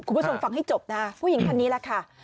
คุณผู้ชมฟังให้จบนะผู้หญิงคนนี้แหละค่ะ